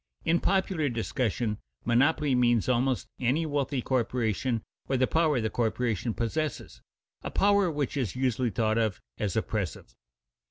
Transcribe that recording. _ In popular discussion monopoly means almost any wealthy corporation or the power the corporation possesses, a power which is usually thought of as oppressive.